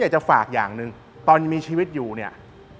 จะฝากอย่างหนึ่งตอนยังมีชีวิตอยู่เนี่ย